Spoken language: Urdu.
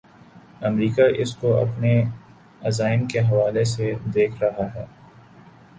امریکہ اس کو اپنے عزائم کے حوالے سے دیکھ رہا ہے۔